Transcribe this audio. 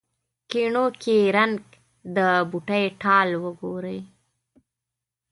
ګېڼو کې رنګ، د بوډۍ ټال وګورې